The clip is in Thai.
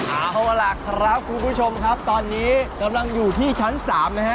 เอาล่ะครับคุณผู้ชมครับตอนนี้กำลังอยู่ที่ชั้น๓นะฮะ